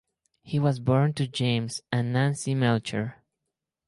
He was born to James and Nancy Melcher.